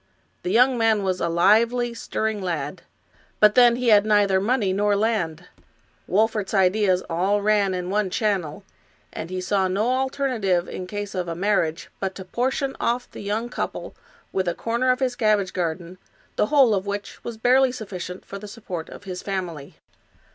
The young man was a lively, stirring lad, but then he had neither money nor land. Wolfert's ideas all ran in one channel, and he saw no alternative in case of a marriage but to portion ofif the young couple with a corner of his cabbage garden, the whole of which was barely sufficient for the support of his family.